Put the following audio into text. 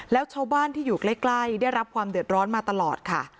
แล้วชาวบ้านที่อยู่ใกล้ได้รับความเดือดร้อนมาตลอดค่ะ